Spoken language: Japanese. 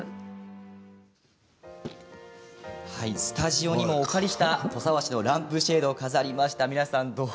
スタジオにもお借りした土佐和紙のランプシェードを飾りました。